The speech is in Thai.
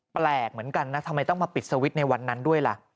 แปลกเหมือนกันนะทำไมต้องมาปิดสวิตช์ในวันนั้นด้วยล่ะ